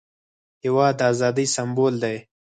هېواد د ازادۍ سمبول دی.